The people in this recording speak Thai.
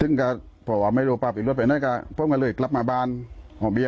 และเป็นบิวของทิวโนคถุงอำเภย๗๕๖๗ปี